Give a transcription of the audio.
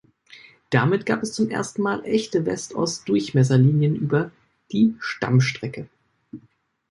Damit gab es zum ersten Mal echte West-Ost-Durchmesserlinien über die Stammstrecke.